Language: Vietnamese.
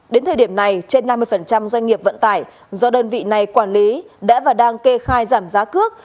đến thời điểm này trên năm mươi doanh nghiệp vận tải do đơn vị này quản lý đã và đang kê khai giảm giá cước